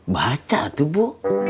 baca tuh bu